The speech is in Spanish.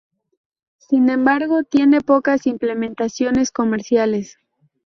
Sin embargo, tiene pocas implementaciones comerciales.